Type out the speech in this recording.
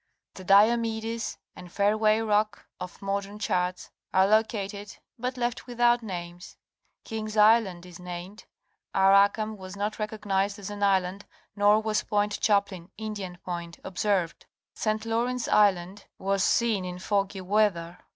The Diomedes and Fairway Rock of modern charts are lo cated but left without names, King's Island is named ; Arakam was not recognized as an island nor was Point Chaplin (Indian Point) observed. St. Lawrence Isiand was seen in foggy weather.